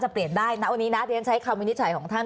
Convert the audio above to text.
จะเปลี่ยนได้วันนี้นัทเรียนใช้คำวินิจฉัยของท่าน